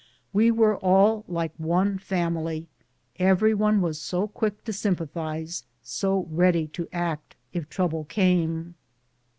We were all like one family — every one was so quick to sympathize, so ready to act if trouble came.